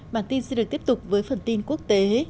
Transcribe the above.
bản tin sẽ được tiếp tục với phần tin quốc tế